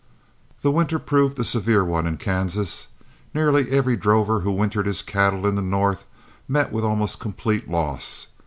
The winter proved a severe one in Kansas. Nearly every drover who wintered his cattle in the north met with almost complete loss.